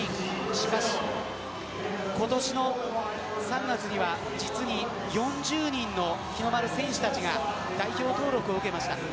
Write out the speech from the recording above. しかし、今年の３月には実に４０人の日の丸選手たちが代表登録を受けました。